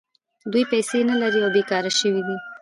دوی پیسې نلري او بېکاره شوي دي